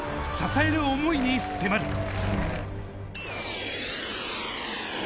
支える想いに迫る。